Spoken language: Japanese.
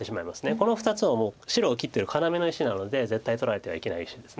この２つは白を切ってる要の石なので絶対取られてはいけない石です。